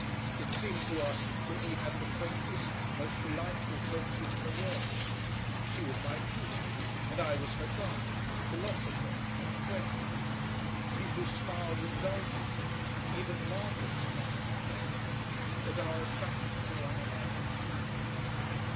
It seemed to us that we had the quaintest, most delightful friendship in the world; she was my pupil, and I was her guide, philosopher, and friend. People smiled indulgently even Margaret smiled indulgently at our attraction for one another.